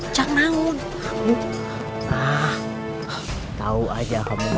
jangan nangun tahu aja kembar